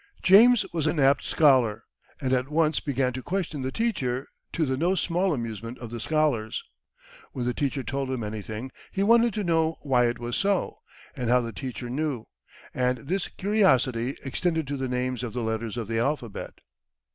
James was an apt scholar, and at once began to question the teacher, to the no small amusement of the scholars. When the teacher told him anything, he wanted to know why it was so, and how the teacher knew. And this curiosity extended to the names of the letters of the alphabet.